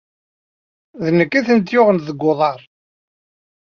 D nekk ay tent-yuɣen deg uḍar.